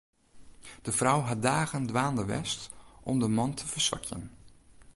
De frou hat dagen dwaande west om de man te ferswakjen.